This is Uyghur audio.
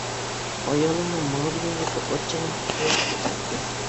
ئايالىمنىڭ ماڭا دېگەن گېپى ئاچچىقىمغا سوغۇق سۇ سەپتى.